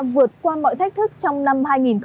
vượt qua mọi thách thức trong năm hai nghìn hai mươi